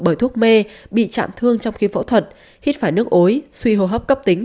bởi thuốc mê bị chạm thương trong khi phẫu thuật hít phải nước ối suy hô hấp cấp tính